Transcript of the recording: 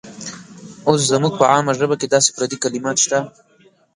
اوس زموږ په عامه ژبه کې داسې پردي کلمات شته.